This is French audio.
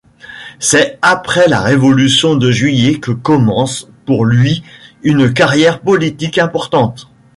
C'est après la révolution de Juillet que commence pour lui une carrière politique importante.